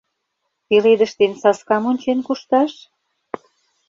— Пеледыш ден саскам ончен кушташ?